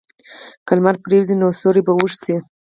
که لمر پرېوځي، نو سیوری به اوږد شي.